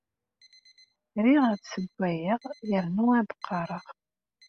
Riɣ ad ssewwayeɣ yernu ad qqareɣ.